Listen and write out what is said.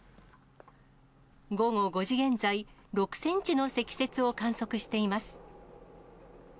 午後５時現在、６センチの積雪を観測しています。